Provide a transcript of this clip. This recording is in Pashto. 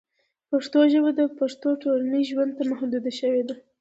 پښتو ژبه د پښتنو ټولنیز ژوند ته محدوده شوې ده.